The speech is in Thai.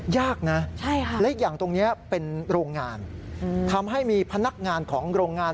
ยากนะและอีกอย่างตรงนี้เป็นโรงงานทำให้มีพนักงานของโรงงาน